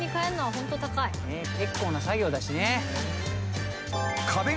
結構な作業だしね。